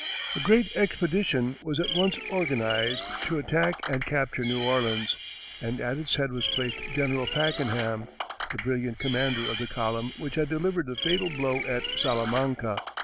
A great expedition was at once organized to attack and capture New Orleans, and at its head was placed General Pakenham, the brilliant commander of the column which had delivered the fatal blow at Salamanca.